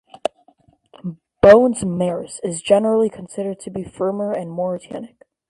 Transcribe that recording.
Bonnes Mares is generally considered to be firmer and more tannic.